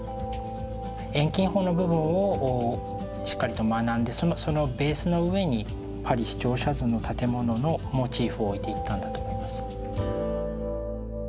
遠近法の部分をしっかりと学んでそのベースの上にパリ市庁舎図の建物のモチーフを置いていったんだと思います。